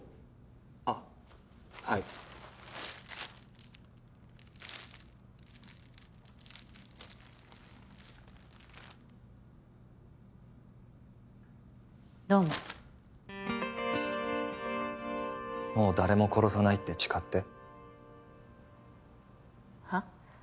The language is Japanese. あっはいどうももう誰も殺さないって誓ってはっ？